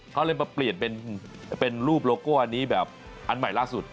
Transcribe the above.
เขาเลยมาเปลี่ยนเป็นรูปโลโก้อันนี้แบบอันใหม่ล่าสุด